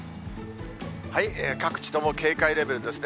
各地とも警戒レベルですね。